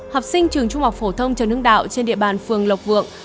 học sinh trường trung học phổ thông trần hưng đạo trên địa bàn phường lộc vượng